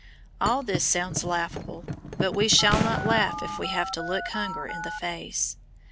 All this sounds laughable, but we shall not laugh if we have to look hunger in the face!